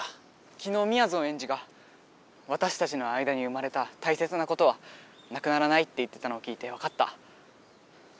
きのうみやぞんエンジが「わたしたちの間にうまれた大切なことはなくならない」って言ってたのを聞いてわかった。